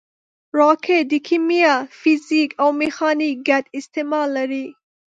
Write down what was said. راکټ د کیمیا، فزیک او میخانیک ګډ استعمال لري